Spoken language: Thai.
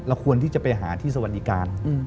ควรที่จะไปหาที่สวัสดิการ